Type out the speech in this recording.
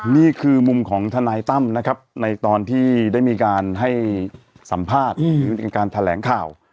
นี่คือมุมของทนายตั้มนะครับในตอนที่ได้มีการให้สัมภาษณ์หรือมีการแถลงข่าว